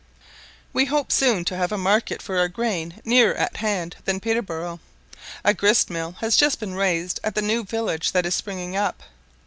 We hope soon to have a market for our grain nearer at hand than Peterborough; a grist mill has just been raised at the new village that is springing up.